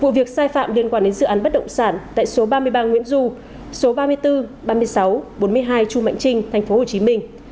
vụ việc sai phạm liên quan đến dự án bất động sản tại số ba mươi ba nguyễn du số ba mươi bốn ba mươi sáu bốn mươi hai chu mạnh trinh tp hcm